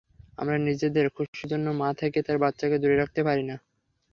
আমরা নিজেদের খুশীর জন্যে মা থেকে তার বাচ্চাকে দূরে রাখতে পারি না।